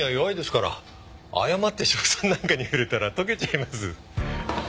誤って硝酸なんかに触れたら溶けちゃいます。